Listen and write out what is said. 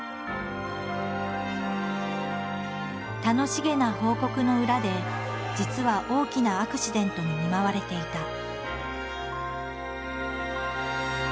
楽しげな報告の裏で実は大きなアクシデントに見舞われていた。